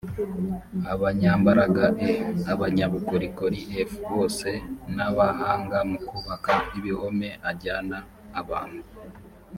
abanyambaraga e abanyabukorikori f bose n abahanga mu kubaka ibihome ajyana abantu